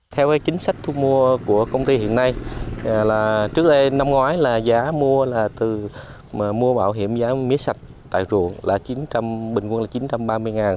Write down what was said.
theo chính sách thu mua của công ty hiện nay trước đây năm ngoái giá mua bảo hiểm giá mía sạch tại ruộng bình quân là chín trăm ba mươi đồng